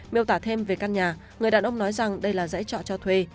miêu tả thêm về căn nhà người đàn ông nói rằng đây là dãy trọ cho thuê